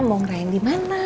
mau ngerahin dimana